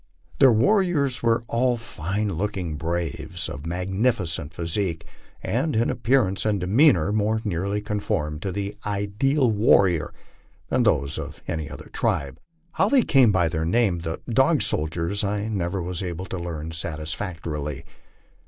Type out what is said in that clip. Their warriors were all fine looking braves of magnificent physique, and in appearance and demeanor more nearly conformed to the ideal warrior than those of any other tribe. How they came by their name, the * Dog Soldiers," I never was able to learn satisfactorily.